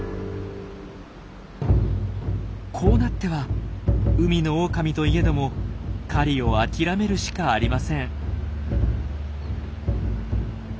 こうなっては海のオオカミといえども狩りを諦めるしかありません。